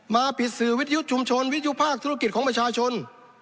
มาผิดสื่อวิทยุชุมชนวิทยุภาคธุรกิจของประชาชน